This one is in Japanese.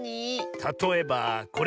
たとえばこれ！